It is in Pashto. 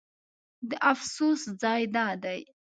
د افسوس ځای دا دی.